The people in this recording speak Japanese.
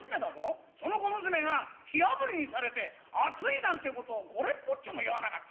その小娘が火あぶりにされて熱いなんてことはこれっぽっちも言わなかった。